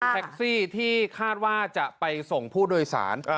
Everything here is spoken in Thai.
แท็กซี่ที่คาดว่าจะไปส่งผู้โดยสาร